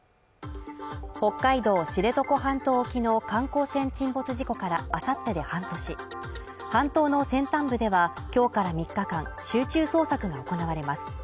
北海道知床半島沖の観光船沈没事故からあさってで半年半島の先端部では今日から３日間集中捜索が行われます